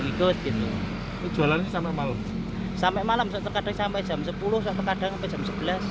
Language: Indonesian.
ikut gitu jualannya sampai malam sampai malam terkadang sampai jam sepuluh sampai kadang sampai jam sebelas